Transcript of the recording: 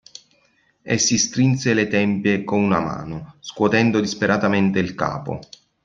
E si strinse le tempia con una mano, scuotendo disperatamente il capo.